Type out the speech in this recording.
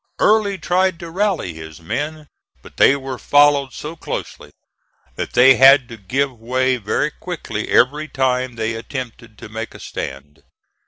Early tried to rally his men, but they were followed so closely that they had to give way very quickly every time they attempted to make a stand.